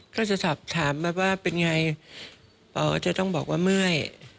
เขาจะถามว่าเป็นไงป่าวจะต้องบอกว่าเมื่อย